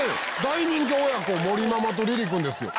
大人気親子盛ママとリリ君ですよ。